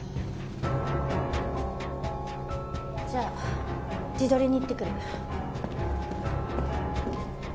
じゃあ地取りに行ってくる。